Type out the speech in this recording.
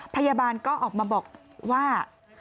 พยาบาลก็ออกมาบอกว่า